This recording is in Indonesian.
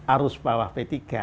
arus bawah p tiga